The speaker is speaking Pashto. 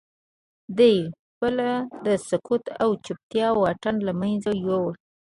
دې پله د سکوت او چوپتیا واټن له منځه یووړ